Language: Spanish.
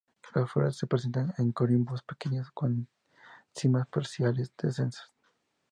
Las flores se presentan en corimbos pequeños con cimas parciales densas.